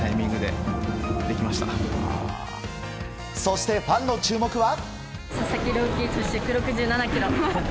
そしてファンの注目は。